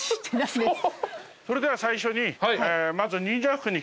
それでは最初に。